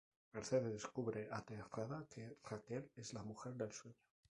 Mercedes descubre aterrada que Raquel es la mujer del sueño.